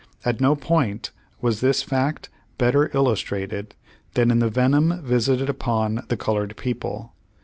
At no point was this fact better illustrated than in the venom visited upon the colored people.